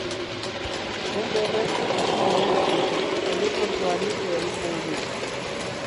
Bender-ek asmo handiak ditu; aireportua handitu egin nahi du.